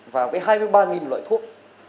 và với hai mươi ba loại thuốc